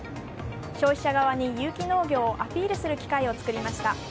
消費者側に有機農業をアピールする機会を作りました。